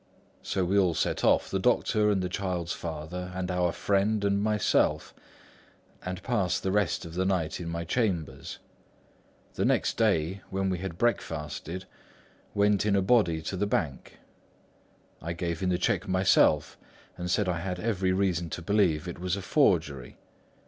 So we all set off, the doctor, and the child's father, and our friend and myself, and passed the rest of the night in my chambers; and next day, when we had breakfasted, went in a body to the bank. I gave in the cheque myself, and said I had every reason to believe it was a forgery.